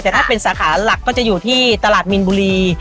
แต่ถ้าเป็นสาขาหลักก็จะอยู่ที่ตลาดมินบุรี